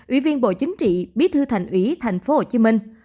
ủy viên bộ chính trị bí thư thành ủy thành phố hồ chí minh